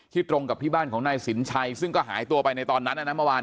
ตรงกับที่บ้านของนายสินชัยซึ่งก็หายตัวไปในตอนนั้นเมื่อวาน